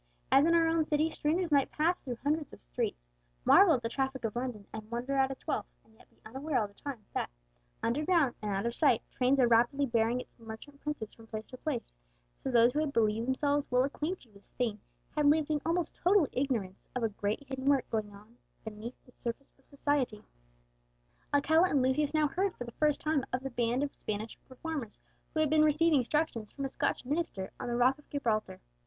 As in our own city, strangers might pass through hundreds of streets, marvel at the traffic of London, and wonder at its wealth, and yet be unaware all the time that, underground and out of sight, trains are rapidly bearing its merchant princes from place to place, so those who had believed themselves well acquainted with Spain had lived in almost total ignorance of a great hidden work going on beneath the surface of society. Alcala and Lucius now heard for the first time of the band of Spanish reformers who had been receiving instruction from a Scotch minister on the rock of Gibraltar.